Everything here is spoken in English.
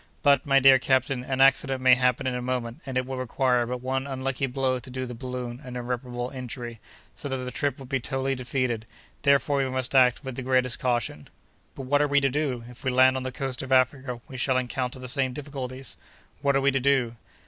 But, my dear captain, an accident may happen in a moment, and it would require but one unlucky blow to do the balloon an irreparable injury, so that the trip would be totally defeated; therefore we must act with the greatest caution." "But what are we to do? If we land on the coast of Africa, we shall encounter the same difficulties. What are we to do?"